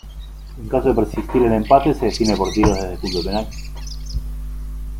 En caso de persistir el empate, se define por tiros desde el punto penal.